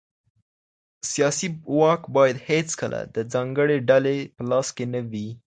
سياسي واک بايد هيڅکله د ځانګړې ډلې په لاس کي نه وي.